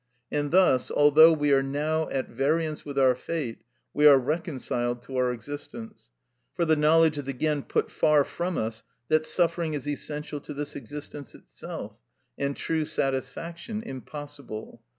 And thus, although we are now at variance with our fate, we are reconciled to our existence, for the knowledge is again put far from us that suffering is essential to this existence itself, and true satisfaction impossible.